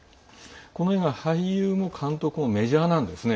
この映画、俳優も監督もメジャーです。